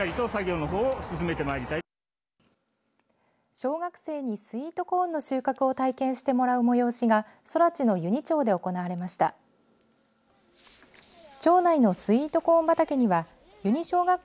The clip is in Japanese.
小学生にスイートコーンの収穫を体験してもらう催しが空知の由仁町で行われました。